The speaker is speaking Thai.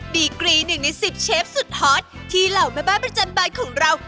ดีกรี๑ใน๑๐เชฟสุดฮอตที่เหล่าแม่บ้านประจำบานของเรา